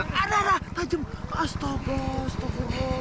ada ada tajam astaga astagfirullah